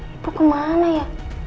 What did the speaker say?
ibu kemana ya